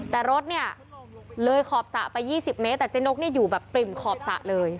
แต่รถเนี่ยเลยขอบสระไป๒๐เมตรแต่เจ๊นกเนี่ยอยู่แบบปริ่มขอบสระเลย